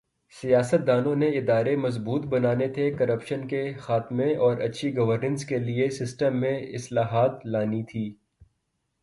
سیاستدانوں نے ادارے مضبوط بنانے تھے، کرپشن کے خاتمہ اور اچھی گورننس کے لئے سسٹم میں اصلاحات لانی تھی۔